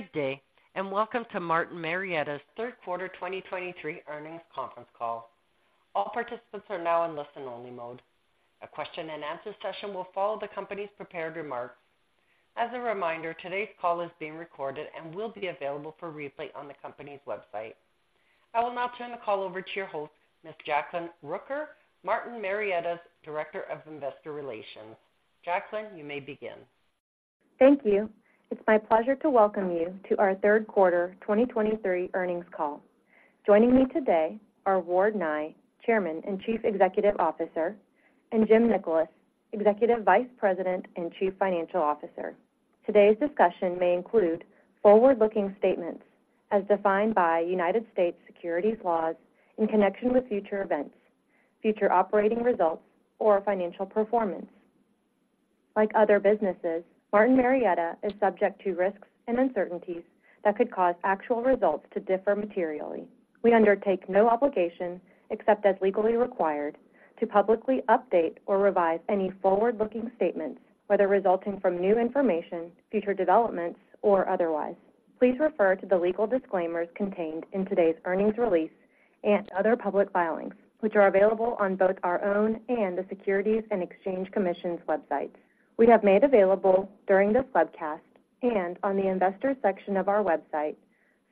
Good day, and welcome to Martin Marietta's third quarter 2023 earnings conference call. All participants are now in listen-only mode. A question-and-answer session will follow the company's prepared remarks. As a reminder, today's call is being recorded and will be available for replay on the company's website. I will now turn the call over to your host, Ms. Jacklyn Rooker, Martin Marietta's Director of Investor Relations. Jacklyn, you may begin. Thank you. It's my pleasure to welcome you to our third quarter 2023 earnings call. Joining me today are Ward Nye, Chairman and Chief Executive Officer, and Jim Nickolas, Executive Vice President and Chief Financial Officer. Today's discussion may include forward-looking statements as defined by United States securities laws in connection with future events, future operating results, or financial performance. Like other businesses, Martin Marietta is subject to risks and uncertainties that could cause actual results to differ materially. We undertake no obligation, except as legally required, to publicly update or revise any forward-looking statements, whether resulting from new information, future developments, or otherwise. Please refer to the legal disclaimers contained in today's earnings release and other public filings, which are available on both our own and the Securities and Exchange Commission's website. We have made available during this webcast, and on the Investors section of our website,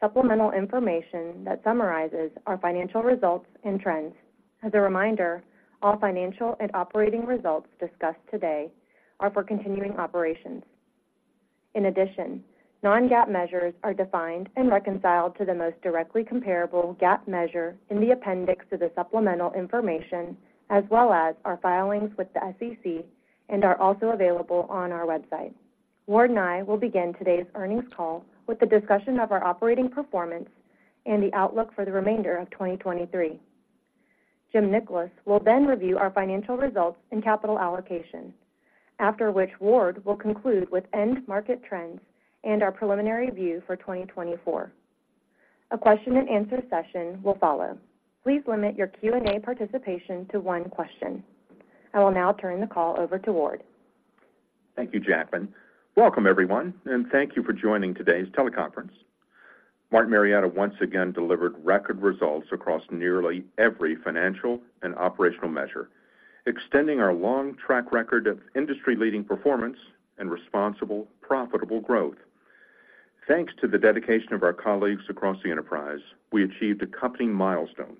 supplemental information that summarizes our financial results and trends. As a reminder, all financial and operating results discussed today are for continuing operations. In addition, non-GAAP measures are defined and reconciled to the most directly comparable GAAP measure in the appendix to the supplemental information, as well as our filings with the SEC and are also available on our website. Ward and I will begin today's earnings call with a discussion of our operating performance and the outlook for the remainder of 2023. Jim Nickolas will then review our financial results and capital allocation, after which Ward will conclude with end market trends and our preliminary view for 2024. A question-and-answer session will follow. Please limit your Q&A participation to one question. I will now turn the call over to Ward. Thank you, Jacklyn. Welcome, everyone, and thank you for joining today's teleconference. Martin Marietta once again delivered record results across nearly every financial and operational measure, extending our long track record of industry-leading performance and responsible, profitable growth. Thanks to the dedication of our colleagues across the enterprise, we achieved a company milestone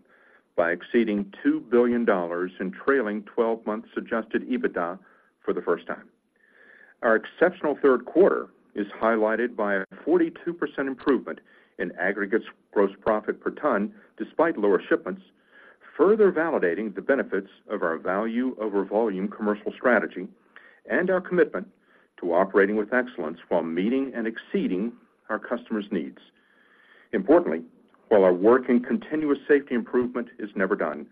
by exceeding $2 billion in trailing twelve months Adjusted EBITDA for the first time. Our exceptional third quarter is highlighted by a 42% improvement in aggregates gross profit per ton, despite lower shipments, further validating the benefits of our Value Over Volume commercial strategy and our commitment to operating with excellence while meeting and exceeding our customers' needs. Importantly, while our work in continuous safety improvement is never done,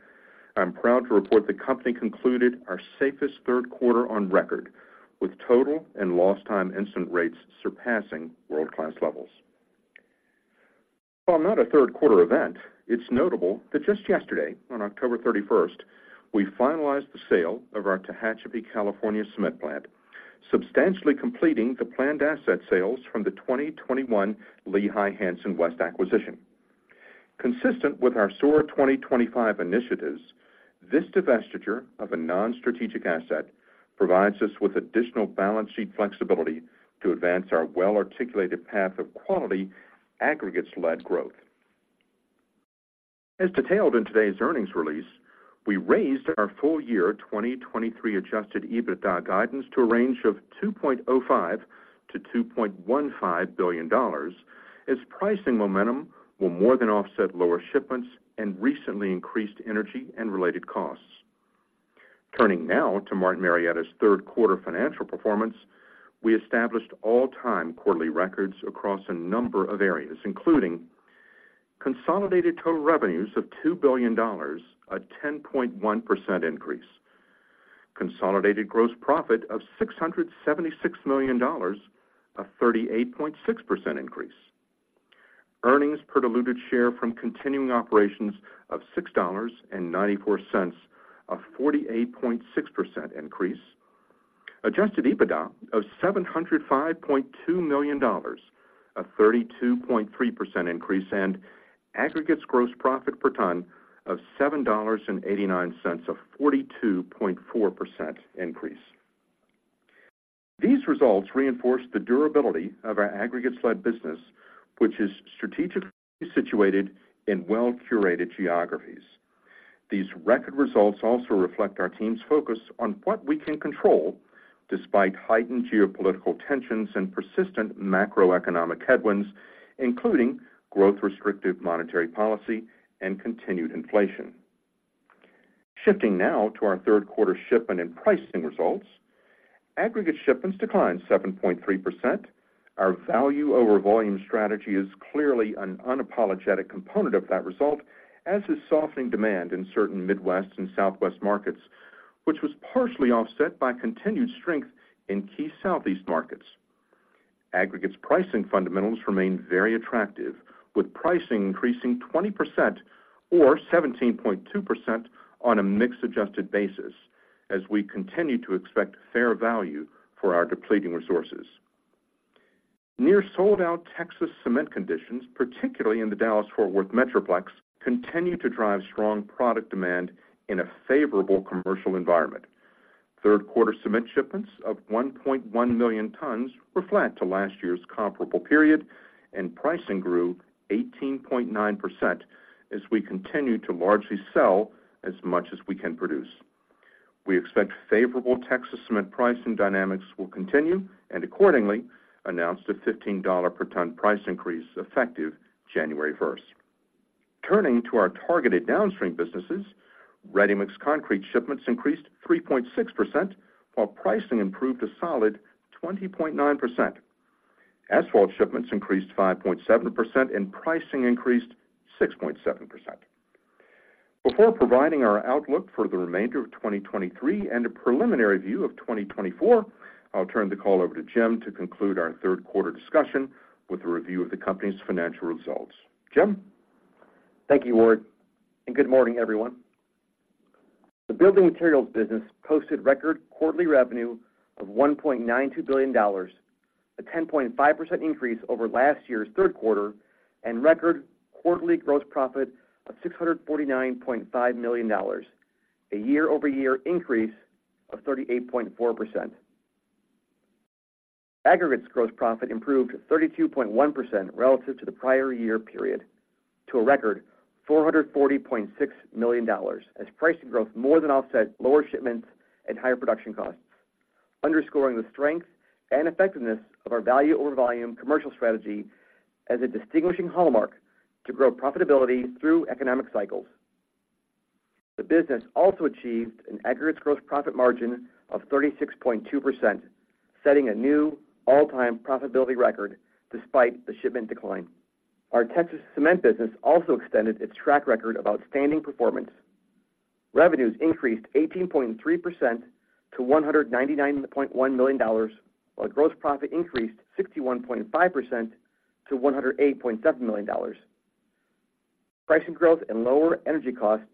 I'm proud to report the company concluded our safest third quarter on record, with total and lost time incident rates surpassing world-class levels. While not a third quarter event, it's notable that just yesterday, on October 31st, we finalized the sale of our Tehachapi, California, cement plant, substantially completing the planned asset sales from the 2021 Lehigh Hanson West acquisition. Consistent with our SOAR 2025 initiatives, this divestiture of a non-strategic asset provides us with additional balance sheet flexibility to advance our well-articulated path of quality aggregates-led growth. As detailed in today's earnings release, we raised our full year 2023 Adjusted EBITDA guidance to a range of $2.05 billion-$2.15 billion, as pricing momentum will more than offset lower shipments and recently increased energy and related costs. Turning now to Martin Marietta's third quarter financial performance, we established all-time quarterly records across a number of areas, including consolidated total revenues of $2 billion, a 10.1% increase, consolidated gross profit of $676 million, a 38.6% increase, earnings per diluted share from continuing operations of $6.94, a 48.6% increase. Adjusted EBITDA of $705.2 million, a 32.3% increase, and aggregates gross profit per ton of $7.89, a 42.4% increase. These results reinforce the durability of our aggregates-led business, which is strategically situated in well-curated geographies. These record results also reflect our team's focus on what we can control, despite heightened geopolitical tensions and persistent macroeconomic headwinds, including growth-restrictive monetary policy and continued inflation. Shifting now to our third quarter shipment and pricing results, aggregate shipments declined 7.3%. Our Value Over Volume strategy is clearly an unapologetic component of that result, as is softening demand in certain Midwest and Southwest markets, which was partially offset by continued strength in key Southeast markets. Aggregates pricing fundamentals remain very attractive, with pricing increasing 20% or 17.2% on a mix-adjusted basis as we continue to expect fair value for our depleting resources. Near sold-out Texas cement conditions, particularly in the Dallas-Fort Worth metroplex, continue to drive strong product demand in a favorable commercial environment. Third quarter cement shipments of 1.1 million tons were flat to last year's comparable period, and pricing grew 18.9% as we continue to largely sell as much as we can produce. We expect favorable Texas cement pricing dynamics will continue and accordingly announced a $15 per ton price increase, effective January first. Turning to our targeted downstream businesses, ready-mix concrete shipments increased 3.6%, while pricing improved a solid 20.9%. Asphalt shipments increased 5.7%, and pricing increased 6.7%. Before providing our outlook for the remainder of 2023 and a preliminary view of 2024, I'll turn the call over to Jim to conclude our third quarter discussion with a review of the company's financial results. Jim? Thank you, Ward, and good morning, everyone. The building materials business posted record quarterly revenue of $1.92 billion, a 10.5% increase over last year's third quarter, and record quarterly gross profit of $649.5 million, a year-over-year increase of 38.4%. Aggregates gross profit improved 32.1% relative to the prior year period, to a record $440.6 million, as pricing growth more than offset lower shipments and higher production costs, underscoring the strength and effectiveness of our value over volume commercial strategy as a distinguishing hallmark to grow profitability through economic cycles. The business also achieved an aggregates gross profit margin of 36.2%, setting a new all-time profitability record despite the shipment decline. Our Texas cement business also extended its track record of outstanding performance. Revenues increased 18.3%-$199.1 million, while gross profit increased 61.5%-$108.7 million. Pricing growth and lower energy costs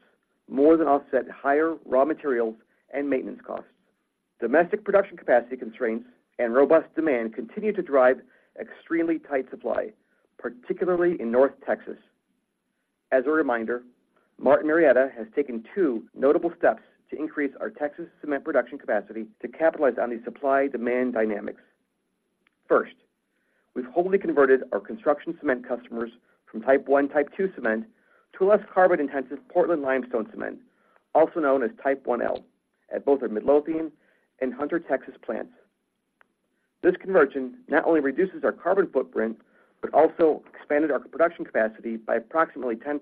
more than offset higher raw materials and maintenance costs. Domestic production capacity constraints and robust demand continue to drive extremely tight supply, particularly in North Texas. As a reminder, Martin Marietta has taken two notable steps to increase our Texas cement production capacity to capitalize on these supply-demand dynamics. First, we've wholly converted our construction cement customers from Type 1, Type 2 cement to a less carbon-intensive Portland Limestone Cement, also known as Type 1L, at both our Midlothian and Hunter, Texas, plants. This conversion not only reduces our carbon footprint, but also expanded our production capacity by approximately 10%.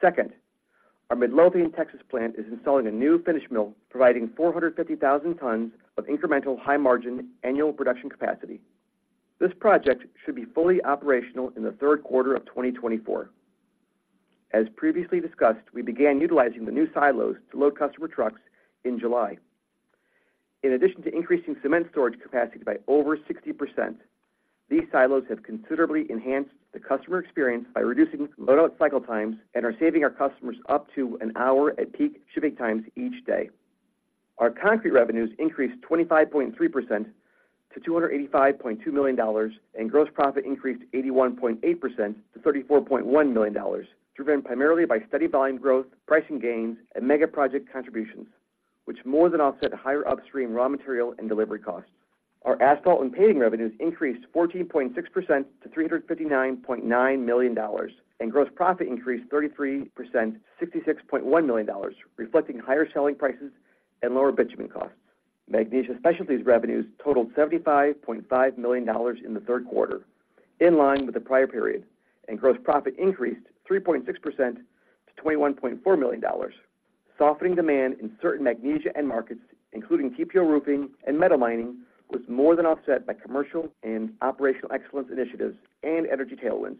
Second, our Midlothian, Texas, plant is installing a new finish mill, providing 450,000 tons of incremental high-margin annual production capacity. This project should be fully operational in the third quarter of 2024. As previously discussed, we began utilizing the new silos to load customer trucks in July. In addition to increasing cement storage capacity by over 60%, these silos have considerably enhanced the customer experience by reducing loadout cycle times and are saving our customers up to an hour at peak shipping times each day. Our concrete revenues increased 25.3%-$285.2 million, and gross profit increased 81.8%-$34.1 million, driven primarily by steady volume growth, pricing gains, and mega-project contributions, which more than offset higher upstream raw material and delivery costs. Our asphalt and paving revenues increased 14.6%-$359.9 million, and gross profit increased 33%-$66.1 million, reflecting higher selling prices and lower bitumen costs. Magnesia Specialties revenues totaled $75.5 million in the third quarter, in line with the prior period, and gross profit increased 3.6%-$21.4 million. Softening demand in certain magnesia end markets, including TPO Roofing and metal mining, was more than offset by commercial and operational excellence initiatives and energy tailwinds.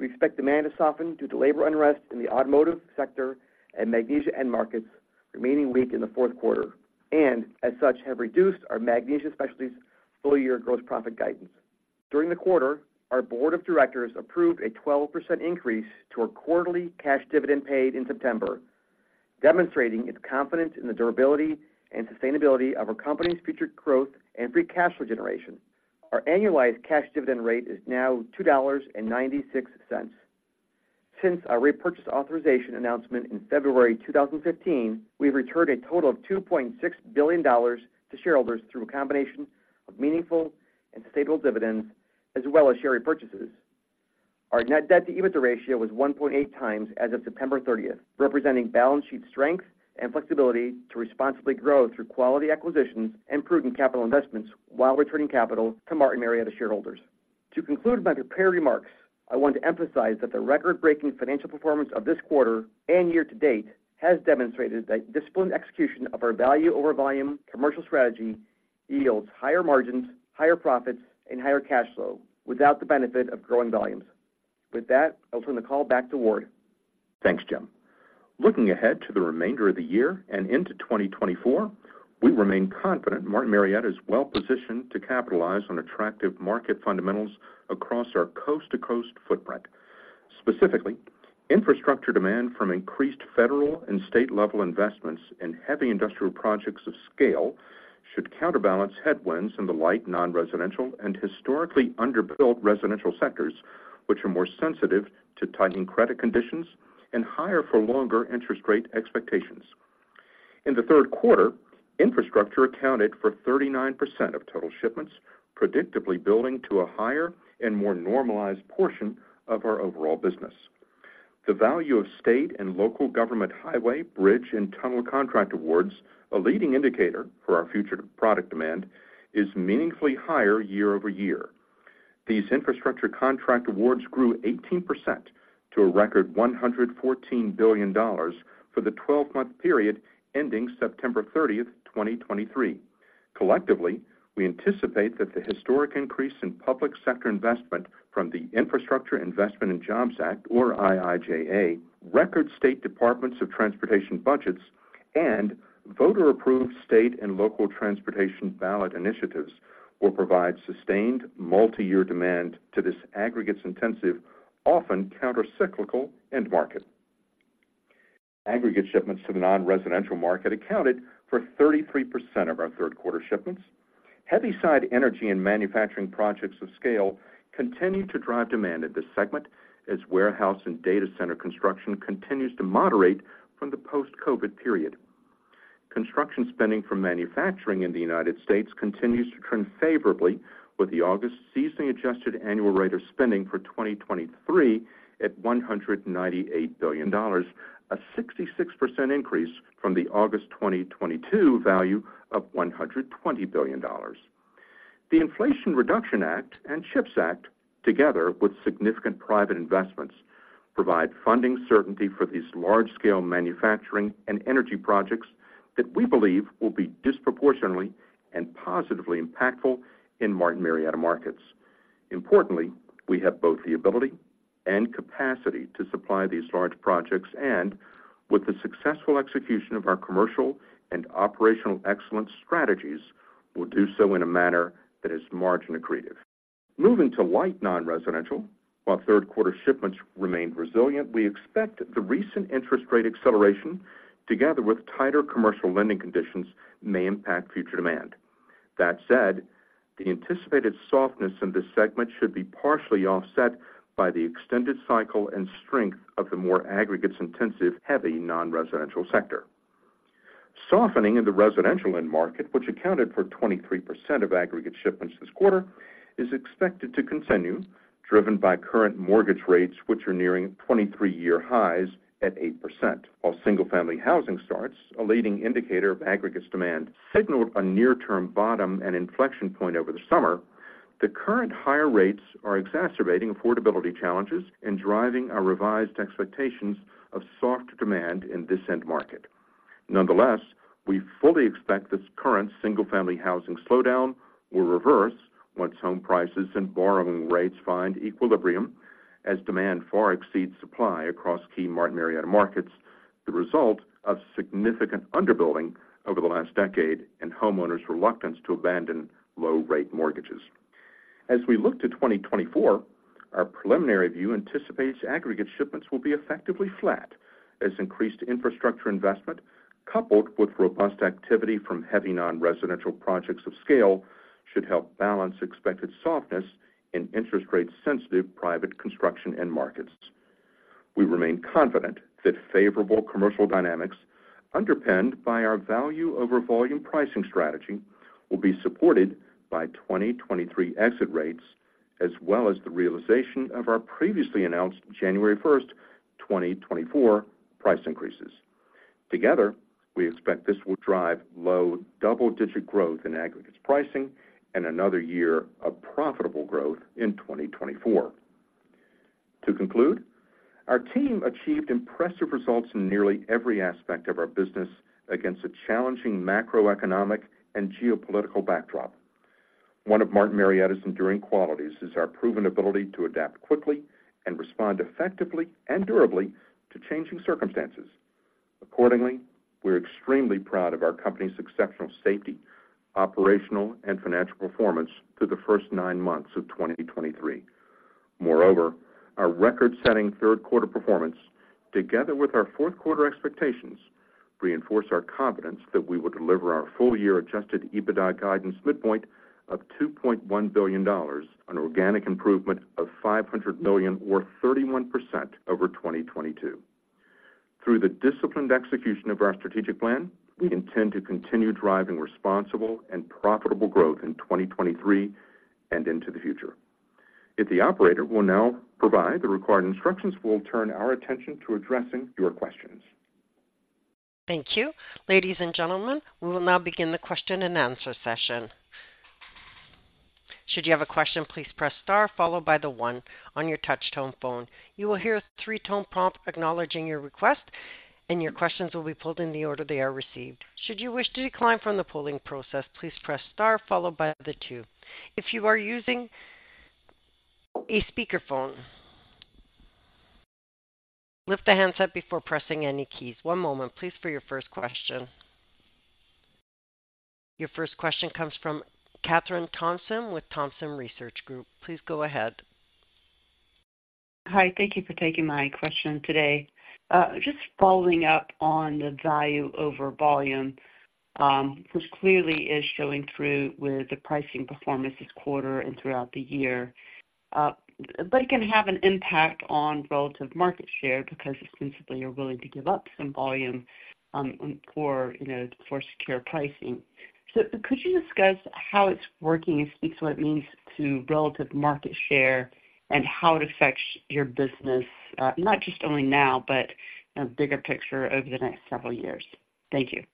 We expect demand to soften due to labor unrest in the automotive sector and magnesia end markets remaining weak in the fourth quarter, and as such, have reduced our Magnesia Specialties full-year gross profit guidance. During the quarter, our board of directors approved a 12% increase to our quarterly cash dividend paid in September, demonstrating its confidence in the durability and sustainability of our company's future growth and free cash flow generation. Our annualized cash dividend rate is now $2.96. Since our repurchase authorization announcement in February 2015, we've returned a total of $2.6 billion to shareholders through a combination of meaningful and stable dividends, as well as share repurchases. Our net debt to EBITDA ratio was 1.8x as of September 30, representing balance sheet strength and flexibility to responsibly grow through quality acquisitions and prudent capital investments while returning capital to Martin Marietta shareholders. To conclude my prepared remarks, I want to emphasize that the record-breaking financial performance of this quarter and year to date has demonstrated that disciplined execution of our Value Over Volume commercial strategy yields higher margins, higher profits, and higher cash flow without the benefit of growing volumes. With that, I'll turn the call back to Ward. Thanks, Jim. Looking ahead to the remainder of the year and into 2024, we remain confident Martin Marietta is well positioned to capitalize on attractive market fundamentals across our coast-to-coast footprint. Specifically, infrastructure demand from increased federal and state level investments in heavy industrial projects of scale should counterbalance headwinds in the light, non-residential and historically underbuilt residential sectors, which are more sensitive to tightening credit conditions and higher for longer interest rate expectations. In the third quarter, infrastructure accounted for 39% of total shipments, predictably building to a higher and more normalized portion of our overall business. The value of state and local government, highway, bridge, and tunnel contract awards, a leading indicator for our future product demand, is meaningfully higher year-over-year. These infrastructure contract awards grew 18% to a record $114 billion for the 12-month period ending September 30, 2023. Collectively, we anticipate that the historic increase in public sector investment from the Infrastructure Investment and Jobs Act, or IIJA, record state departments of transportation budgets, and voter-approved state and local transportation ballot initiatives will provide sustained multi-year demand to this aggregates intensive, often countercyclical end market. Aggregate shipments to the non-residential market accounted for 33% of our third quarter shipments. Heavy side energy and manufacturing projects of scale continued to drive demand in this segment, as warehouse and data center construction continues to moderate from the post-COVID period. Construction spending for manufacturing in the United States continues to trend favorably, with the August seasonally adjusted annual rate of spending for 2023 at $198 billion, a 66% increase from the August 2022 value of $120 billion. The Inflation Reduction Act and CHIPS Act, together with significant private investments, provide funding certainty for these large-scale manufacturing and energy projects that we believe will be disproportionately and positively impactful in Martin Marietta markets. Importantly, we have both the ability and capacity to supply these large projects, and with the successful execution of our commercial and operational excellence strategies, will do so in a manner that is margin accretive. Moving to light non-residential, while third quarter shipments remained resilient, we expect the recent interest rate acceleration, together with tighter commercial lending conditions, may impact future demand. That said, the anticipated softness in this segment should be partially offset by the extended cycle and strength of the more aggregates intensive, heavy non-residential sector. Softening in the residential end market, which accounted for 23% of aggregate shipments this quarter, is expected to continue, driven by current mortgage rates, which are nearing 23-year highs at 8%. While single-family housing starts, a leading indicator of aggregates demand, signaled a near-term bottom and inflection point over the summer. The current higher rates are exacerbating affordability challenges and driving our revised expectations of soft demand in this end market. Nonetheless, we fully expect this current single-family housing slowdown will reverse once home prices and borrowing rates find equilibrium, as demand far exceeds supply across key Martin Marietta markets, the result of significant underbuilding over the last decade, and homeowners' reluctance to abandon low rate mortgages. As we look to 2024, our preliminary view anticipates aggregate shipments will be effectively flat, as increased infrastructure investment, coupled with robust activity from heavy non-residential projects of scale, should help balance expected softness in interest rate sensitive private construction end markets. We remain confident that favorable commercial dynamics, underpinned by our Value Over Volume pricing strategy, will be supported by 2023 exit rates, as well as the realization of our previously announced January 1st, 2024 price increases. Together, we expect this will drive low double-digit growth in aggregates pricing and another year of profitable growth in 2024. To conclude, our team achieved impressive results in nearly every aspect of our business against a challenging macroeconomic and geopolitical backdrop. One of Martin Marietta's enduring qualities is our proven ability to adapt quickly and respond effectively and durably to changing circumstances. Accordingly, we're extremely proud of our company's exceptional safety, operational and financial performance through the first nine months of 2023. Moreover, our record-setting third quarter performance, together with our fourth quarter expectations, reinforce our confidence that we will deliver our full year Adjusted EBITDA guidance midpoint of $2.1 billion, an organic improvement of $500 million or 31% over 2022. Through the disciplined execution of our strategic plan, we intend to continue driving responsible and profitable growth in 2023 and into the future. If the operator will now provide the required instructions, we'll turn our attention to addressing your questions. Thank you. Ladies and gentlemen, we will now begin the question and answer session. Should you have a question, please press star followed by the one on your touch tone phone. You will hear a three-tone prompt acknowledging your request, and your questions will be pulled in the order they are received. Should you wish to decline from the polling process, please press star followed by the two. If you are using a speakerphone, lift the handset before pressing any keys. One moment, please, for your first question. Your first question comes from Kathryn Thompson with Thompson Research Group. Please go ahead. Hi. Thank you for taking my question today. Just following up on the Value Over Volume, which clearly is showing through with the pricing performance this quarter and throughout the year. But it can have an impact on relative market share because ostensibly, you're willing to give up some volume, for, you know, for secure pricing. So could you discuss how it's working and what it means to relative market share and how it affects your business, not just only now, but a bigger picture over the next several years? Thank you.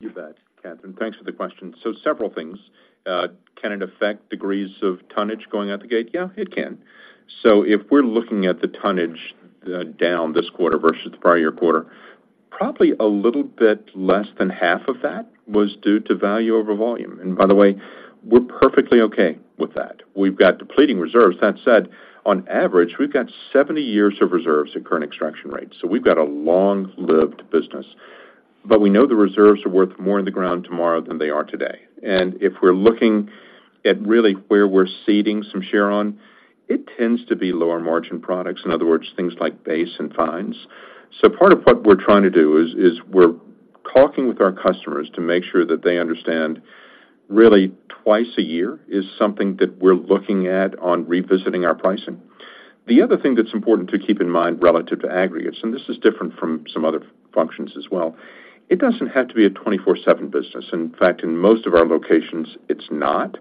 You bet, Kathryn. Thanks for the question. So several things. Can it affect degrees of tonnage going out the gate? Yeah, it can. So if we're looking at the tonnage, down this quarter versus the prior year quarter, probably a little bit less than half of that was due to Value Over Volume. And by the way, we're perfectly okay with that. We've got depleting reserves. That said, on average, we've got 70 years of reserves at current extraction rates, so we've got a long-lived business. But we know the reserves are worth more in the ground tomorrow than they are today. And if we're looking at really where we're ceding some share on, it tends to be lower margin products. In other words, things like base and fines. So part of what we're trying to do is, is we're talking with our customers to make sure that they understand really twice a year is something that we're looking at on revisiting our pricing. The other thing that's important to keep in mind relative to aggregates, and this is different from some other functions as well, it doesn't have to be a 24/7 business. In fact, in most of our locations, it's not.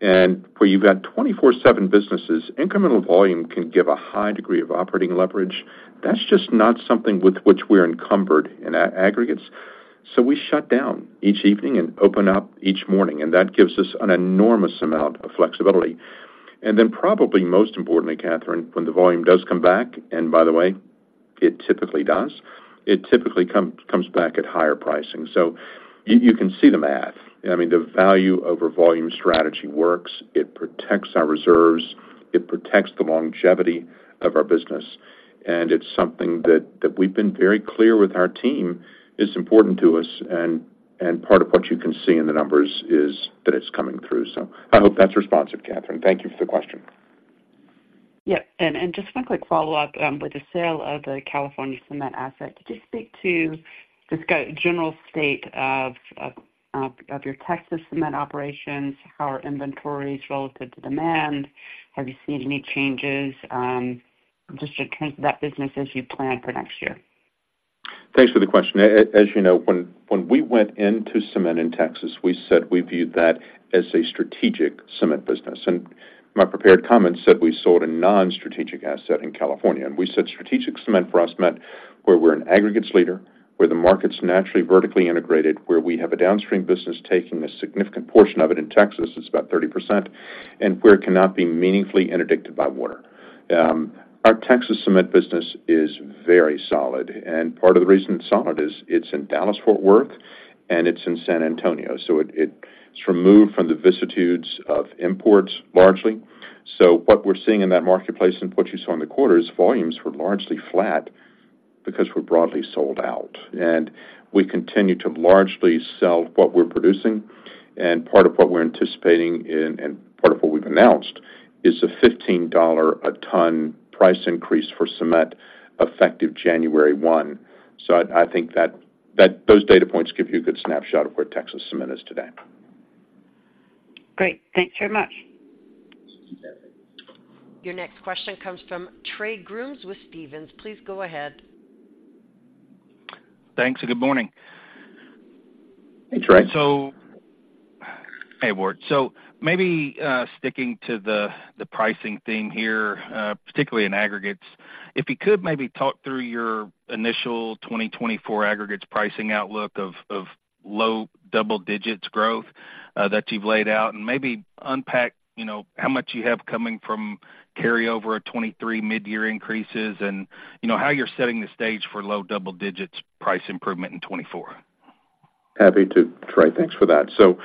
And where you've got 24/7 businesses, incremental volume can give a high degree of operating leverage. That's just not something with which we're encumbered in aggregates. So we shut down each evening and open up each morning, and that gives us an enormous amount of flexibility. And then, probably most importantly, Kathryn, when the volume does come back, and by the way, it typically does, it typically comes back at higher pricing. So you can see the math. I mean, the Value Over Volume strategy works. It protects our reserves, it protects the longevity of our business, and it's something that we've been very clear with our team is important to us, and part of what you can see in the numbers is that it's coming through. So I hope that's responsive, Kathryn. Thank you for the question. Yep, and just one quick follow-up. With the sale of the California cement asset, could you speak to just the general state of your Texas cement operations? How are inventories relative to demand? Have you seen any changes just in terms of that business as you plan for next year? Thanks for the question. As you know, when we went into cement in Texas, we said we viewed that as a strategic cement business, and my prepared comments said we sold a non-strategic asset in California, and we said strategic cement for us meant where we're an aggregates leader, where the market's naturally vertically integrated, where we have a downstream business taking a significant portion of it. In Texas, it's about 30%, and where it cannot be meaningfully interdicted by water. Our Texas cement business is very solid, and part of the reason it's solid is it's in Dallas-Fort Worth, and it's in San Antonio, so it's removed from the vicinities of imports, largely. So what we're seeing in that marketplace and what you saw in the quarter is volumes were largely flat because we're broadly sold out, and we continue to largely sell what we're producing. And part of what we're anticipating and part of what we've announced is a $15 a ton price increase for cement, effective January 1. So I think that those data points give you a good snapshot of where Texas cement is today. Great. Thanks very much. Your next question comes from Trey Grooms with Stephens. Please go ahead. Thanks, and good morning. Hey, Trey. Hey, Ward. So maybe sticking to the pricing thing here, particularly in aggregates, if you could maybe talk through your initial 2024 aggregates pricing outlook of low double digits growth that you've laid out and maybe unpack, you know, how much you have coming from carryover at 2023 mid-year increases and, you know, how you're setting the stage for low double digits price improvement in 2024? Happy to, Trey. Thanks for that. So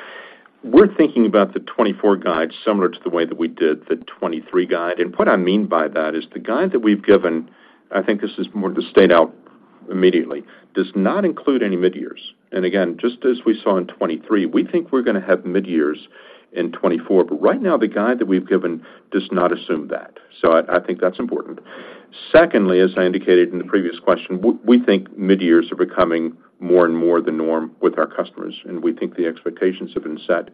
we're thinking about the 2024 guide similar to the way that we did the 2023 guide. What I mean by that is the guide that we've given, I think this is more to state out immediately, does not include any mid-years. Again, just as we saw in 2023, we think we're gonna have mid-years in 2024, but right now the guide that we've given does not assume that. So I think that's important. Secondly, as I indicated in the previous question, we think mid-years are becoming more and more the norm with our customers, and we think the expectations have been set.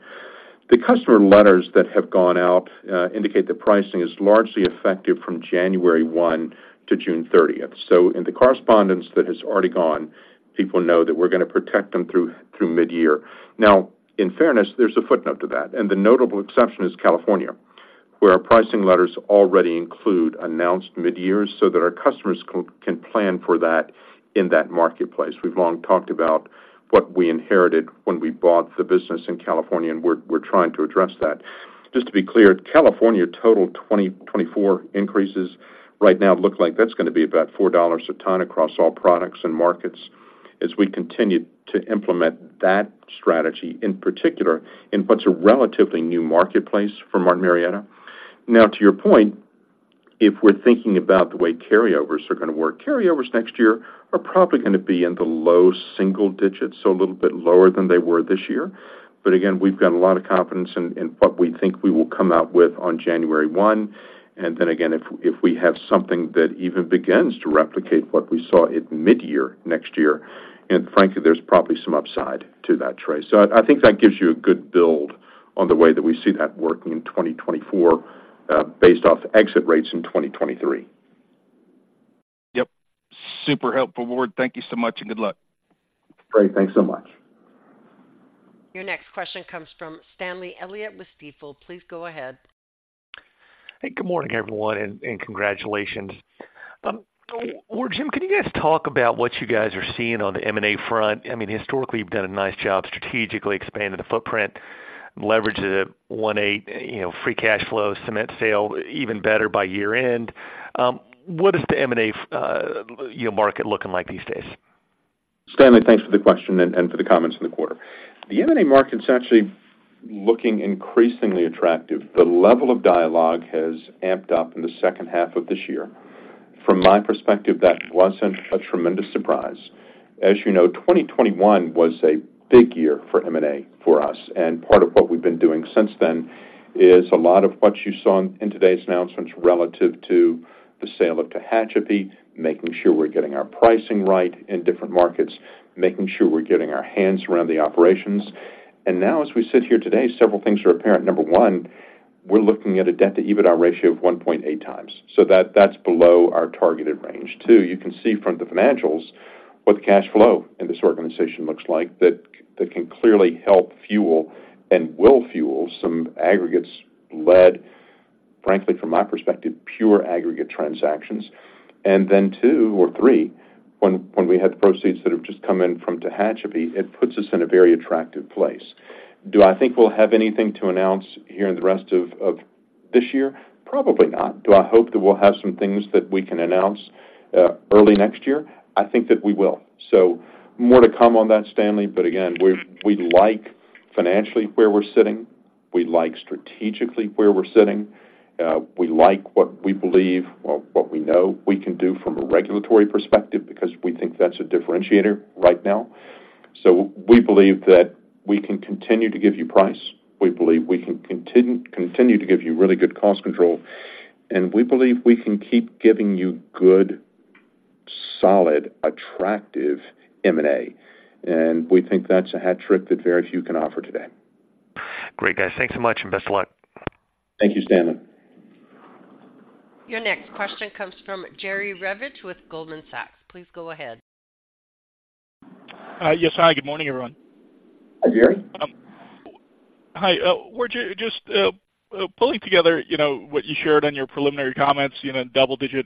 The customer letters that have gone out indicate that pricing is largely effective from January 1 to June 30. So in the correspondence that has already gone, people know that we're gonna protect them through mid-year. Now, in fairness, there's a footnote to that, and the notable exception is California, where our pricing letters already include announced mid-years so that our customers can plan for that in that marketplace. We've long talked about what we inherited when we bought the business in California, and we're, we're trying to address that. Just to be clear, California total 2024 increases right now look like that's gonna be about $4 a ton across all products and markets as we continue to implement that strategy, in particular, in what's a relatively new marketplace for Martin Marietta. Now, to your point... if we're thinking about the way carryovers are gonna work, carryovers next year are probably gonna be in the low single digits, so a little bit lower than they were this year. But again, we've got a lot of confidence in what we think we will come out with on January 1. And then again, if we have something that even begins to replicate what we saw in mid-year next year, and frankly, there's probably some upside to that trade. So I think that gives you a good build on the way that we see that working in 2024, based off exit rates in 2023. Yep. Super helpful, Ward. Thank you so much, and good luck. Great. Thanks so much. Your next question comes from Stanley Elliott with Stifel. Please go ahead. Hey, good morning, everyone, and congratulations. Ward, Jim, can you guys talk about what you guys are seeing on the M&A front? I mean, historically, you've done a nice job strategically expanding the footprint, leverage the 1.8, you know, free cash flow, cement sale, even better by year end. What is the M&A, your market looking like these days? Stanley, thanks for the question and for the comments in the quarter. The M&A market is actually looking increasingly attractive. The level of dialogue has amped up in the second half of this year. From my perspective, that wasn't a tremendous surprise. As you know, 2021 was a big year for M&A for us, and part of what we've been doing since then is a lot of what you saw in today's announcements relative to the sale of Tehachapi, making sure we're getting our pricing right in different markets, making sure we're getting our hands around the operations. And now, as we sit here today, several things are apparent. Number one, we're looking at a debt-to-EBITDA ratio of 1.8 times, so that's below our targeted range. Two, you can see from the financials what the cash flow in this organization looks like, that, that can clearly help fuel and will fuel some aggregates-led, frankly, from my perspective, pure aggregate transactions. And then two or three, when we had the proceeds that have just come in from Tehachapi, it puts us in a very attractive place. Do I think we'll have anything to announce here in the rest of this year? Probably not. Do I hope that we'll have some things that we can announce early next year? I think that we will. So more to come on that, Stanley. But again, we like financially where we're sitting, we like strategically where we're sitting. We like what we believe or what we know we can do from a regulatory perspective, because we think that's a differentiator right now. So we believe that we can continue to give you price, we believe we can continue to give you really good cost control, and we believe we can keep giving you good, solid, attractive M&A, and we think that's a hat trick that very few can offer today. Great, guys. Thanks so much, and best of luck. Thank you, Stanley. Your next question comes from Jerry Revich with Goldman Sachs. Please go ahead. Yes, hi. Good morning, everyone. Hi, Jerry. Hi. We're just pulling together, you know, what you shared on your preliminary comments, you know, double-digit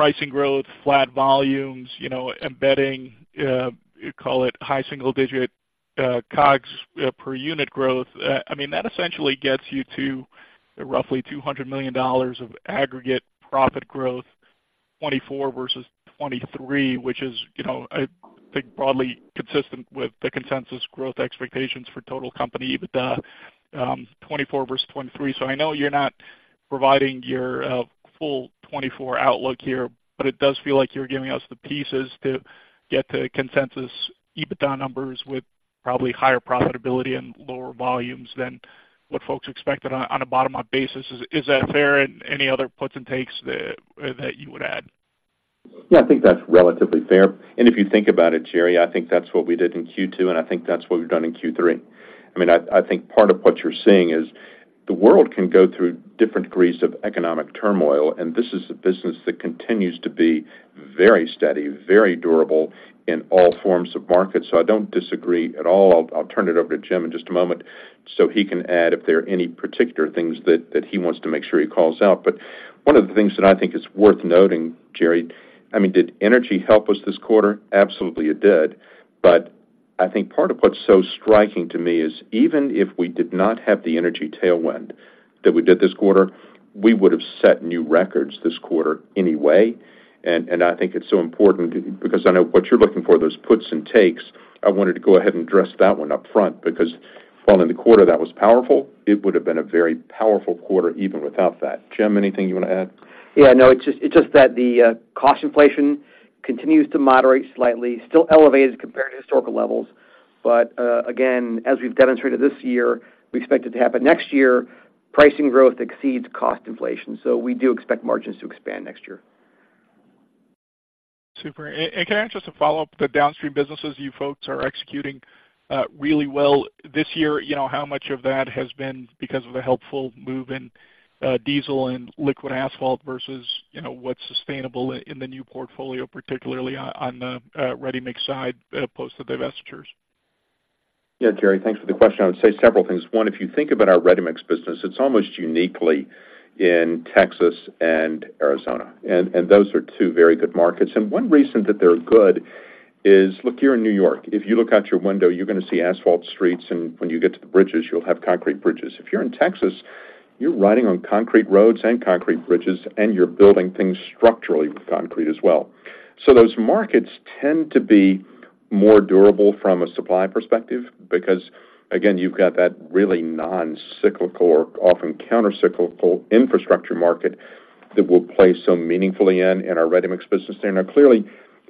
pricing growth, flat volumes, you know, embedding, you call it high single digit, COGS per unit growth. I mean, that essentially gets you to roughly $200 million of aggregate profit growth, 2024 versus 2023, which is, you know, I think, broadly consistent with the consensus growth expectations for total company, but, 2024 versus 2023. So I know you're not providing your, full 2024 outlook here, but it does feel like you're giving us the pieces to get to consensus EBITDA numbers with probably higher profitability and lower volumes than what folks expected on a bottom-up basis. Is that fair and any other puts and takes that, that you would add? Yeah, I think that's relatively fair. And if you think about it, Jerry, I think that's what we did in Q2, and I think that's what we've done in Q3. I mean, I think part of what you're seeing is the world can go through different degrees of economic turmoil, and this is a business that continues to be very steady, very durable in all forms of markets. So I don't disagree at all. I'll turn it over to Jim in just a moment so he can add if there are any particular things that, that he wants to make sure he calls out. But one of the things that I think is worth noting, Jerry, I mean, did energy help us this quarter? Absolutely, it did. But I think part of what's so striking to me is, even if we did not have the energy tailwind that we did this quarter, we would have set new records this quarter anyway. And, and I think it's so important because I know what you're looking for, those puts and takes. I wanted to go ahead and address that one upfront, because while in the quarter that was powerful, it would have been a very powerful quarter even without that. Jim, anything you want to add? Yeah, no, it's just, it's just that the cost inflation continues to moderate slightly, still elevated compared to historical levels. But, again, as we've demonstrated this year, we expect it to happen next year, pricing growth exceeds cost inflation, so we do expect margins to expand next year. Super. And can I ask just a follow-up? The downstream businesses, you folks are executing really well. This year, you know, how much of that has been because of a helpful move in diesel and liquid asphalt versus, you know, what's sustainable in the new portfolio, particularly on the ready-mix side post the divestitures? Yeah, Jerry, thanks for the question. I would say several things. One, if you think about our ready-mix business, it's almost uniquely in Texas and Arizona, and those are two very good markets. And one reason that they're good is, look, you're in New York. If you look out your window, you're gonna see asphalt streets, and when you get to the bridges, you'll have concrete bridges. If you're in Texas, you're riding on concrete roads and concrete bridges, and you're building things structurally with concrete as well. So those markets tend to be more durable from a supply perspective, because, again, you've got that really non-cyclical or often countercyclical infrastructure market that we'll play so meaningfully in, in our ready-mix business there. Now, clearly,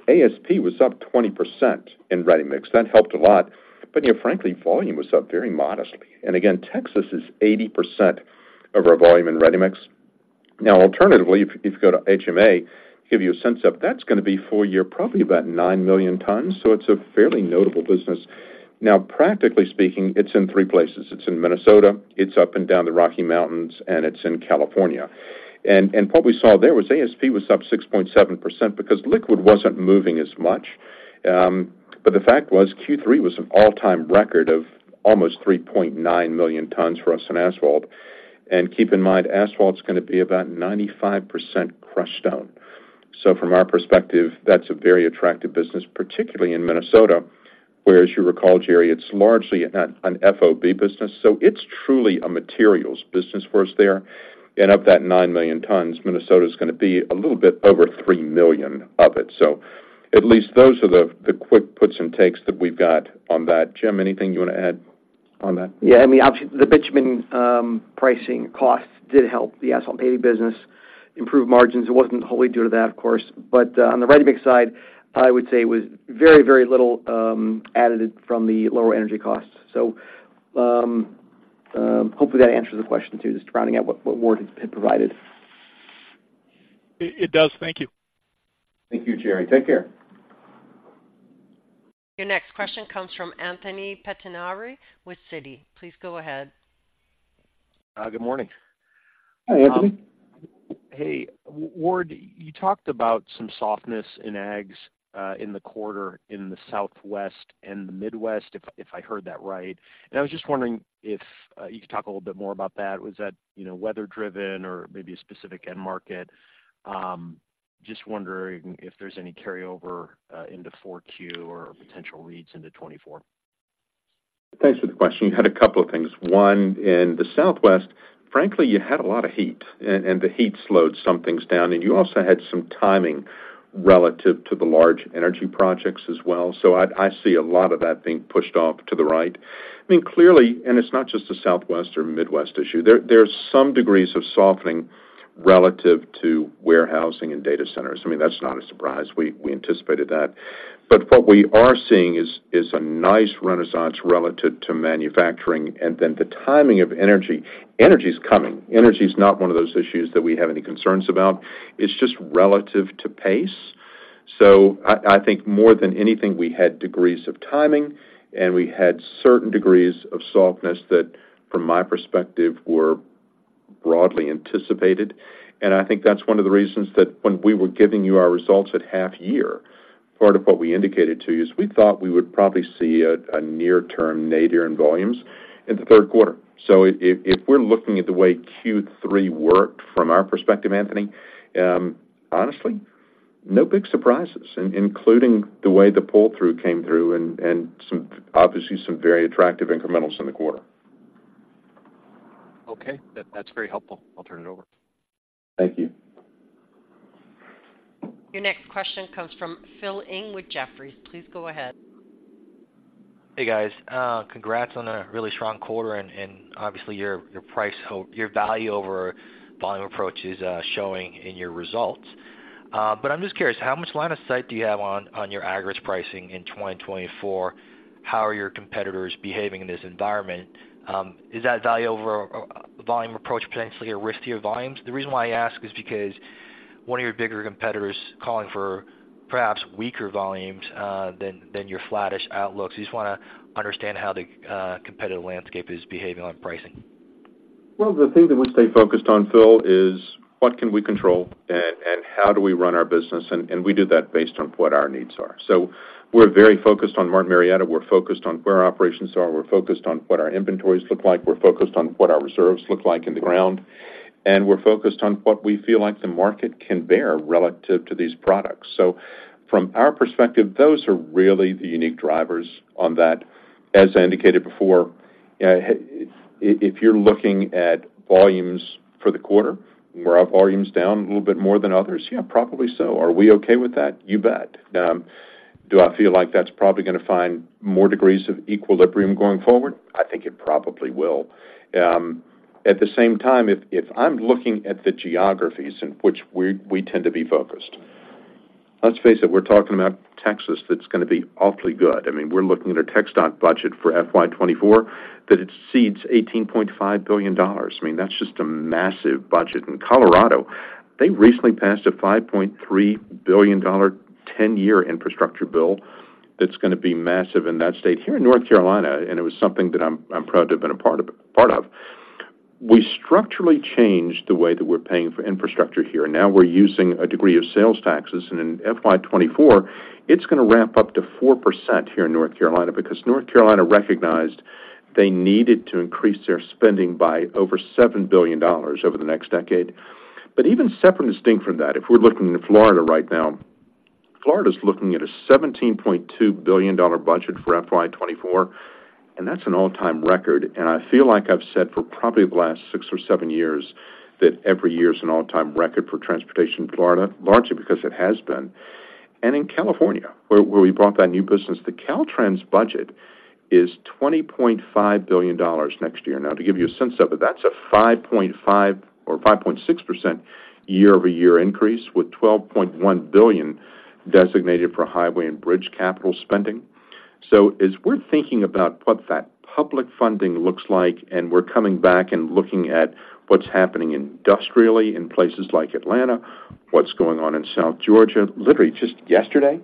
ASP was up 20% in ready-mix. That helped a lot, but frankly, volume was up very modestly. And again, Texas is 80% of our volume in ready-mix. Now, alternatively, if you go to HMA, give you a sense of that's gonna be full year, probably about 9 million tons. So it's a fairly notable business. Now, practically speaking, it's in three places. It's in Minnesota, it's up and down the Rocky Mountains, and it's in California. And what we saw there was ASP was up 6.7% because liquid wasn't moving as much. But the fact was, Q3 was an all-time record of almost 3.9 million tons for us in asphalt. And keep in mind, asphalt is gonna be about 95% crushed stone. So from our perspective, that's a very attractive business, particularly in Minnesota, where, as you recall, Jerry, it's largely an FOB business, so it's truly a materials business for us there. Of that 9 million tons, Minnesota is gonna be a little bit over 3 million of it. So at least those are the, the quick puts and takes that we've got on that. Jim, anything you wanna add on that? Yeah, I mean, obviously, the bitumen pricing costs did help the asphalt paving business improve margins. It wasn't wholly due to that, of course, but on the ready-mix side, I would say it was very, very little added from the lower energy costs. So, hopefully, that answers the question, too, just rounding out what Ward had provided. It does. Thank you. Thank you, Jerry. Take care. Your next question comes from Anthony Pettinari with Citi. Please go ahead. Good morning. Hi, Anthony. Hey, Ward, you talked about some softness in aggs in the quarter in the Southwest and the Midwest, if I heard that right. I was just wondering if you could talk a little bit more about that. Was that, you know, weather-driven or maybe a specific end market? Just wondering if there's any carryover into 4Q or potential reads into 2024. Thanks for the question. You had a couple of things. One, in the Southwest, frankly, you had a lot of heat, and the heat slowed some things down, and you also had some timing relative to the large energy projects as well. So I see a lot of that being pushed off to the right. I mean, clearly, and it's not just a Southwest or Midwest issue. There's some degrees of softening relative to warehousing and data centers. I mean, that's not a surprise. We anticipated that. But what we are seeing is a nice renaissance relative to manufacturing, and then the timing of energy. Energy is coming. Energy is not one of those issues that we have any concerns about. It's just relative to pace. So I think more than anything, we had degrees of timing, and we had certain degrees of softness that, from my perspective, were broadly anticipated. And I think that's one of the reasons that when we were giving you our results at half year, part of what we indicated to you is we thought we would probably see a near-term nadir in volumes in the third quarter. So if we're looking at the way Q3 worked from our perspective, Anthony, honestly, no big surprises, including the way the pull-through came through and obviously some very attractive incrementals in the quarter. Okay, that's very helpful. I'll turn it over. Thank you. Your next question comes from Phil Ng with Jefferies. Please go ahead. Hey, guys. Congrats on a really strong quarter and obviously, your value over volume approach is showing in your results. But I'm just curious, how much line of sight do you have on your aggregates pricing in 2024? How are your competitors behaving in this environment? Is that value over volume approach potentially a risk to your volumes? The reason why I ask is because one of your bigger competitors calling for perhaps weaker volumes than your flattish outlook. So just wanna understand how the competitive landscape is behaving on pricing. Well, the thing that we stay focused on, Phil, is what can we control and how do we run our business, and we do that based on what our needs are. So we're very focused on Martin Marietta. We're focused on where our operations are. We're focused on what our inventories look like. We're focused on what our reserves look like in the ground, and we're focused on what we feel like the market can bear relative to these products. So from our perspective, those are really the unique drivers on that. As I indicated before, if you're looking at volumes for the quarter, were our volumes down a little bit more than others? Yeah, probably so. Are we okay with that? You bet. Do I feel like that's probably gonna find more degrees of equilibrium going forward? I think it probably will. At the same time, if I'm looking at the geographies in which we tend to be focused, let's face it, we're talking about Texas, that's gonna be awfully good. I mean, we're looking at a TxDOT budget for FY 2024 that exceeds $18.5 billion. I mean, that's just a massive budget. In Colorado, they recently passed a $5.3 billion ten-year infrastructure bill that's gonna be massive in that state. Here in North Carolina, and it was something that I'm proud to have been a part of, we structurally changed the way that we're paying for infrastructure here. Now we're using a degree of sales taxes, and in FY 2024, it's gonna ramp up to 4% here in North Carolina because North Carolina recognized they needed to increase their spending by over $7 billion over the next decade. But even separate and distinct from that, if we're looking to Florida right now, Florida is looking at a $17.2 billion budget for FY 2024. And that's an all-time record, and I feel like I've said for probably the last 6 or 7 years, that every year is an all-time record for transportation in Florida, largely because it has been. And in California, where we brought that new business, the Caltrans budget is $20.5 billion next year. Now, to give you a sense of it, that's a 5.5% or 5.6% year-over-year increase, with $12.1 billion designated for highway and bridge capital spending. So as we're thinking about what that public funding looks like, and we're coming back and looking at what's happening industrially in places like Atlanta, what's going on in South Georgia. Literally, just yesterday,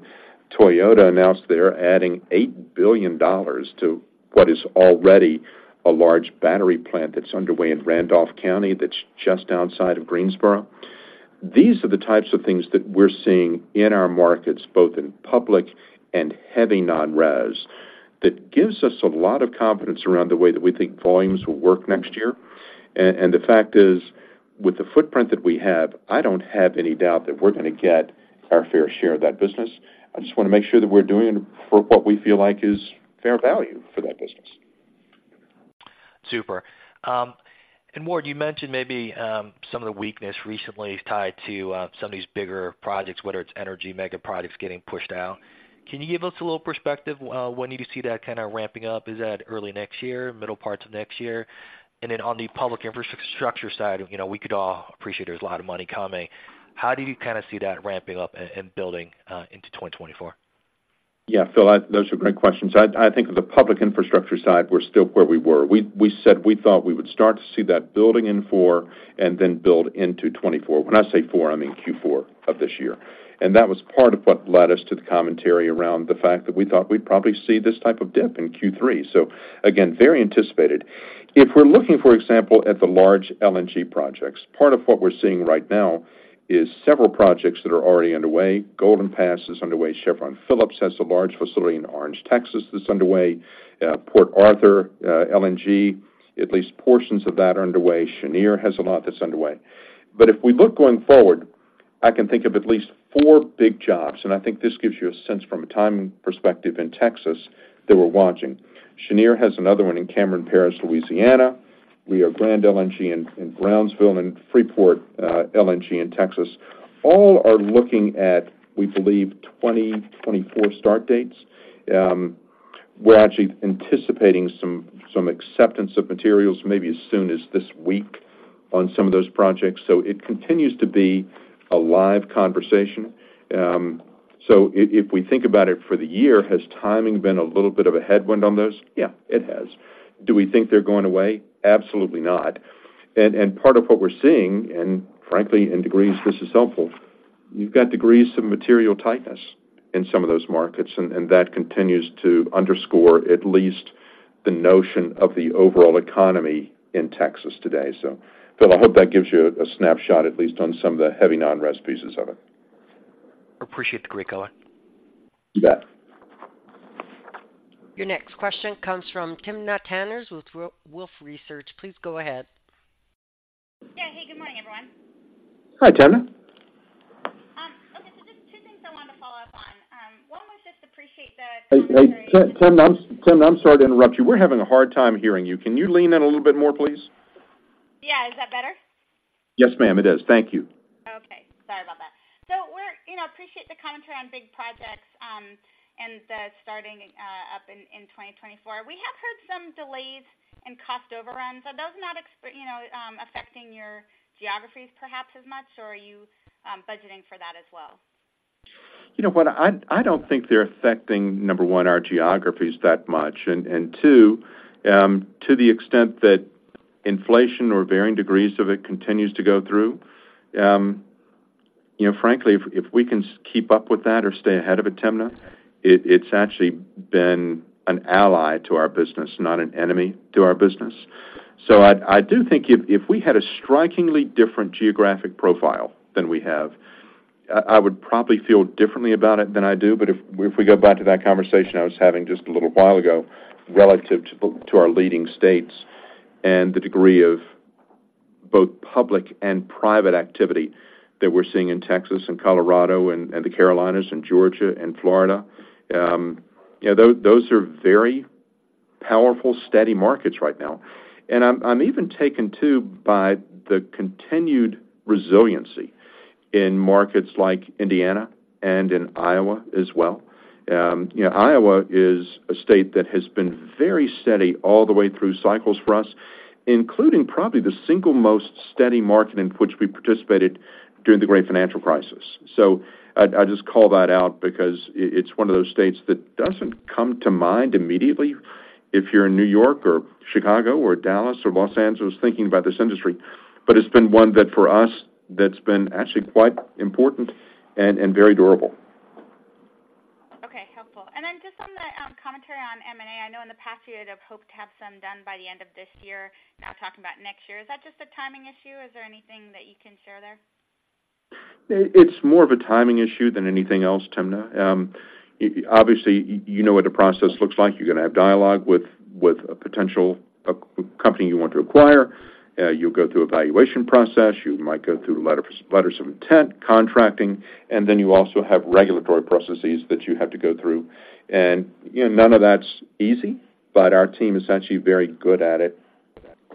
Toyota announced they're adding $8 billion to what is already a large battery plant that's underway in Randolph County, that's just outside of Greensboro. These are the types of things that we're seeing in our markets, both in public and heavy non-res, that gives us a lot of confidence around the way that we think volumes will work next year. And, the fact is, with the footprint that we have, I don't have any doubt that we're gonna get our fair share of that business. I just wanna make sure that we're doing it for what we feel like is fair value for that business. Super. And Ward, you mentioned maybe some of the weakness recently tied to some of these bigger projects, whether it's energy mega projects getting pushed out. Can you give us a little perspective, when you see that kinda ramping up? Is that early next year, middle parts of next year? And then on the public infrastructure side, you know, we could all appreciate there's a lot of money coming. How do you kinda see that ramping up and building into 2024? Yeah, Phil, those are great questions. I think the public infrastructure side, we're still where we were. We said we thought we would start to see that building in 4 and then build into 2024. When I say 4, I mean Q4 of this year. And that was part of what led us to the commentary around the fact that we thought we'd probably see this type of dip in Q3. So again, very anticipated. If we're looking, for example, at the large LNG projects, part of what we're seeing right now is several projects that are already underway. Golden Pass is underway. Chevron Phillips has a large facility in Orange, Texas, that's underway. Port Arthur LNG, at least portions of that are underway. Cheniere has a lot that's underway. But if we look going forward, I can think of at least four big jobs, and I think this gives you a sense from a timing perspective in Texas that we're watching. Cheniere has another one in Cameron Parish, Louisiana. We have Grand LNG in Brownsville and Freeport LNG in Texas. All are looking at, we believe, 2024 start dates. We're actually anticipating some acceptance of materials maybe as soon as this week on some of those projects, so it continues to be a live conversation. So if we think about it for the year, has timing been a little bit of a headwind on those? Yeah, it has. Do we think they're going away? Absolutely not. And part of what we're seeing, and frankly, in degrees, this is helpful, you've got degrees of material tightness in some of those markets, and that continues to underscore at least the notion of the overall economy in Texas today. So Phil, I hope that gives you a snapshot, at least on some of the heavy non-res pieces of it. Appreciate the great go on. You bet. Your next question comes from Timna Tanners with Wolfe Research. Please go ahead. Yeah. Hey, good morning, everyone. Hi, Temna. Okay, so just two things I wanted to follow up on. One was just appreciate the- Hey, Timna, I'm sorry to interrupt you. We're having a hard time hearing you. Can you lean in a little bit more, please? Yeah. Is that better? Yes, ma'am, it is. Thank you. Okay. Sorry about that. So we're—you know, appreciate the commentary on big projects, and the starting up in 2024. We have heard some delays and cost overruns. Are those not—you know, affecting your geographies perhaps as much, or are you budgeting for that as well? You know what? I, I don't think they're affecting, number one, our geographies that much, and, and two, to the extent that inflation or varying degrees of it continues to go through, you know, frankly, if, if we can keep up with that or stay ahead of it, Timna, it, it's actually been an ally to our business, not an enemy to our business. So I, I do think if, if we had a strikingly different geographic profile than we have, I would probably feel differently about it than I do. But if we go back to that conversation I was having just a little while ago, relative to our leading states and the degree of both public and private activity that we're seeing in Texas and Colorado and the Carolinas and Georgia and Florida, you know, those are very powerful, steady markets right now. And I'm even taken, too, by the continued resiliency in markets like Indiana and in Iowa as well. You know, Iowa is a state that has been very steady all the way through cycles for us, including probably the single most steady market in which we participated during the great financial crisis. So I just call that out because it's one of those states that doesn't come to mind immediately if you're in New York or Chicago or Dallas or Los Angeles, thinking about this industry. But it's been one that, for us, that's been actually quite important and very durable. Okay, helpful. And then just on the commentary on M&A. I know in the past, you would have hoped to have some done by the end of this year, now talking about next year. Is that just a timing issue? Is there anything that you can share there? It's more of a timing issue than anything else, Timna. Obviously, you know what the process looks like. You're gonna have dialogue with a potential company you want to acquire. You go through a valuation process, you might go through letters of intent, contracting, and then you also have regulatory processes that you have to go through. And, you know, none of that's easy, but our team is actually very good at it.